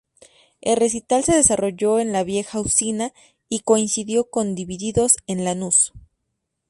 El recital se desarrolló en La Vieja Usina, y coincidió con Divididos en Lanús.